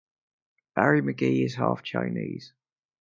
Barry McGee is half Chinese.